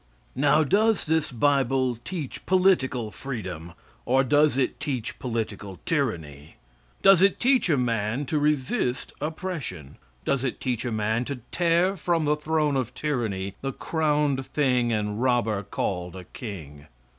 Now does this bible teach political freedom, or does it teach political tyranny? Does it teach a man to resist oppression? Does it teach a man to tear from the throne of tyranny the crowned thing and robber called a king?